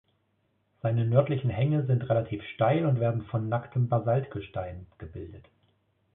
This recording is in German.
Seine nördlichen Hänge sind relativ steil und werden von nacktem Basaltgestein gebildet.